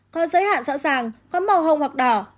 có giới hạn rõ ràng có màu hồng hoặc đỏ